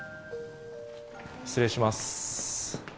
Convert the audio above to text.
失礼します。